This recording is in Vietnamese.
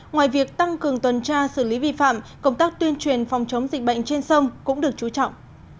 ngoài việc tăng cường tuần tra xử lý vi phạm công tác tuyên truyền phòng chống dịch bệnh trên sông cũng được chú trọng